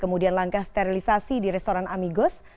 kemudian langkah sterilisasi di restoran amigos